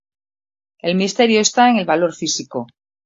El misterio está en el valor físico.